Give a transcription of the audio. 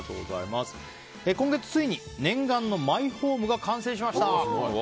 今月ついに念願のマイホームが完成しました。